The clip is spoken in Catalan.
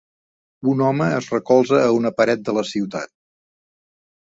Un home es recolza a una paret de la ciutat.